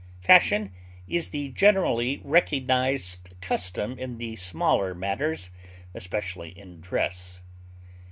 Fashion is the generally recognized custom in the smaller matters, especially in dress.